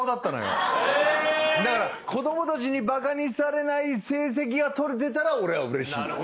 だから子供たちにバカにされない成績が取れてたら俺はうれしい。